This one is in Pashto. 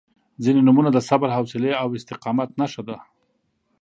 • ځینې نومونه د صبر، حوصلې او استقامت نښه ده.